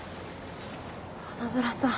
花村さん。